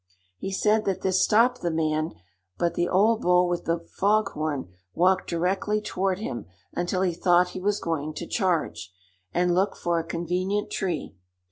He said that this stopped the band, but the old bull with the fog horn walked directly toward him until he thought he was going to charge, and looked for a convenient tree.